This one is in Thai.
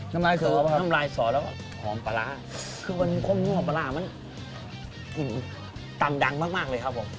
น้ำลายสอแล้วหอมปลาร่าคือวันนี้ข้อมูลหอมปลาร่ามันอิ่มตำดังมากเลยครับผม